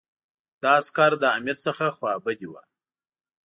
دا عسکر له امیر څخه خوابدي وو.